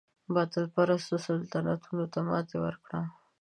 باطل پرستو سلطنتونو ته ماتې ورکړه.